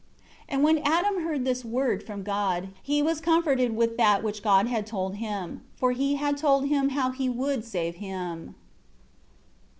18 And when Adam heard this Word from God, he was comforted with that which God had told him. For He had told him how He would save him.